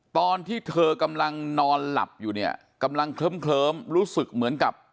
ตอนที่เธอกำลังนอนหลับอยู่เนี่ยกำลังเคลิ้มรู้สึกเหมือนกับ